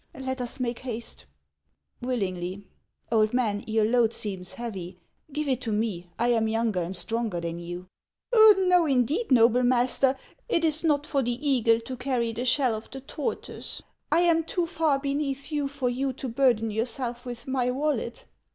Let us make haste !"" Willingly. Old man, your load seems heavy ; give it to me, I ain younger and stronger than you." 132 HANS OF ICELAND. " No, indeed, noble master ; it is not for the eagle to cany the shell of the tortoise. I am too far beneath you for you to burden yourself with my wallet."